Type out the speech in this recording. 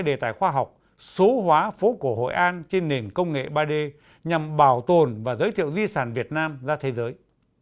đề tài khoa học số hóa phố cổ hội an trên nền công nghệ ba d nhằm bảo tồn và giới thiệu di sản việt nam ra thế giới